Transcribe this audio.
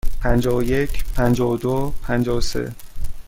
پنجاه و یک، پنجاه و دو، پنجاه و سه.